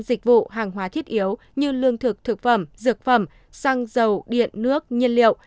dịch vụ hàng hóa thiết yếu như lương thực thực phẩm dược phẩm xăng dầu điện nước nhiên liệu